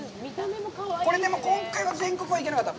これ今回は全国は行けなかった？